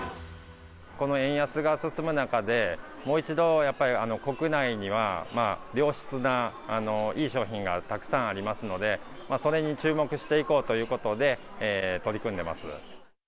この円安が進む中で、もう一度、やっぱり国内には良質ないい商品がたくさんありますので、それに注目していこうということで、取り組んでます。